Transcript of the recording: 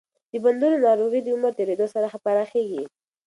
د بندونو ناروغي د عمر تېریدو سره پراخېږي.